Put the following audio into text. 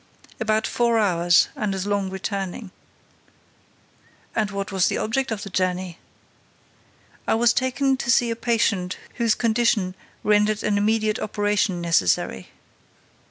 "About four hours and as long returning." "And what was the object of the journey?" "I was taken to see a patient whose condition rendered an immediate operation necessary."